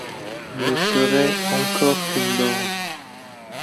Ne serait encor qu'une borne